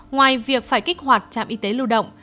ngoài việc phải kích hoạt trạm y tế lưu động